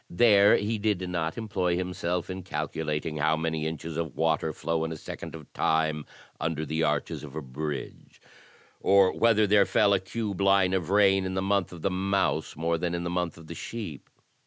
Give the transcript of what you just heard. There he did not employ himself in cal ctilating how many inches of water flow in a second of time under the arches of a bridge, or whether there fell a cube line of rain in the month of the Mouse more than in the month of the Sheep.